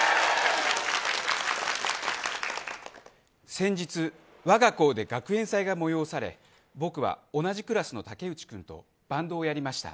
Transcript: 先日、わが校で学園祭が催され僕は同じクラスの武内君とバンドをやりました。